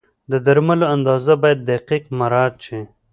د درملو اندازه باید دقیق مراعت شي.